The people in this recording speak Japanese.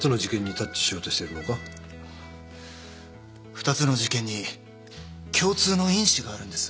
２つの事件に共通の因子があるんです。